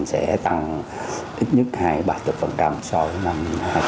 sẽ tăng ít nhất hai mươi ba mươi so với năm hai nghìn hai mươi hai